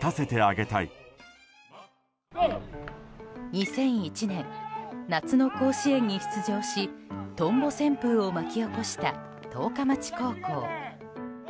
２００１年夏の甲子園に出場しトンボ旋風を巻き起こした十日町高校。